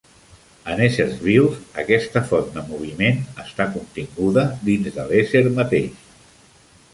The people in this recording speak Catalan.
En éssers vius, aquesta font de moviment està continguda dins de l'ésser mateix.